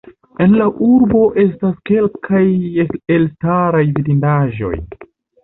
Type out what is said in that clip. En la urbo estas kelkaj elstaraj vidindaĵoj.